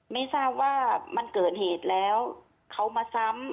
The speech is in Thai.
ไม่ทราบว่ามันเกิดเหตุแล้วเขามาซ้ำ